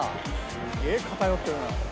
すげえ偏ってるな。